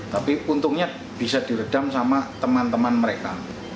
tapi untungnya bisa diredam sama teman teman mereka